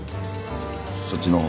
そっちの方